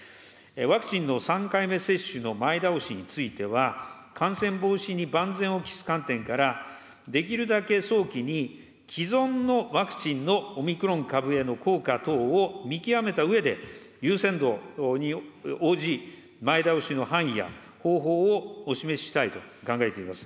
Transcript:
ワクチンの３回目接種の前倒しについては、感染防止に万全を期す観点から、できるだけ早期に既存のワクチンのオミクロン株への効果等を見極めたうえで、優先度に応じ、前倒しの範囲や方法をお示ししたいと考えています。